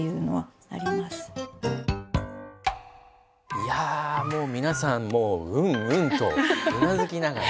いやぁもう皆さん「うんうん」とうなずきながら。